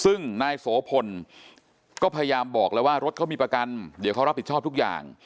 ซึ่งนายโสพลก็พยายามบอกแล้วว่ารถเขามีประกันเดี๋ยวเขารับผิดชอบทุกอย่าง